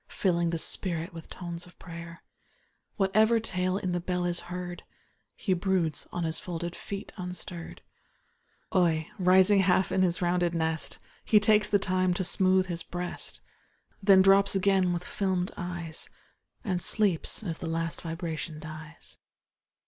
Filling the spirit with tones of prayer Whatever tale in the bell is heard, lie broods on his folded feet unstirr'd, Oi, rising half in his rounded nest. He takes the time to smooth his breast. Then drops again with fdmed eyes, And sleeps as the last vibration dies.